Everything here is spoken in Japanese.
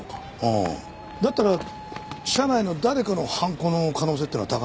ああだったら社内の誰かの犯行の可能性っていうのは高いな。